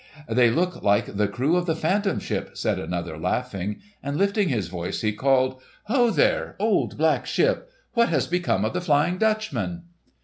"They look like the crew of the Phantom Ship," said another laughing. And lifting his voice he called; "Ho there, old black ship! What has become of the Flying Dutchman?"